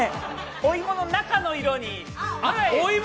お芋の中の色に。